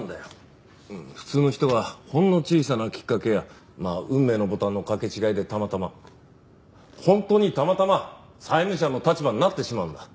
普通の人がほんの小さなきっかけやまあ運命のボタンの掛け違いでたまたま本当にたまたま債務者の立場になってしまうんだ。